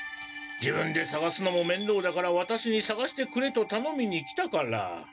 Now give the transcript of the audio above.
自分でさがすのもめんどうだからワタシにさがしてくれとたのみに来たから。